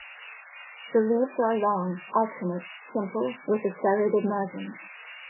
The leaves are long, alternate, simple, with a serrated margin.